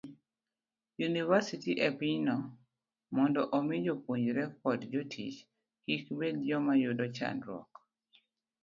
yunivasiti e pinyno, mondo omi jopuonjre kod jotich kik bed joma yudo chandruok e